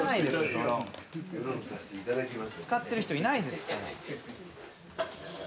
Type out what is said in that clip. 使ってる人いないですから。